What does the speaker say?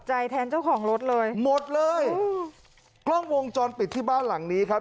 แทนเจ้าของรถเลยหมดเลยอืมกล้องวงจรปิดที่บ้านหลังนี้ครับ